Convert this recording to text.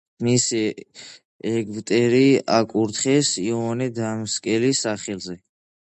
მისი ეგვტერი აკურთხეს იოანე დამასკელის სახელზე.